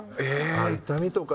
あ痛みとか。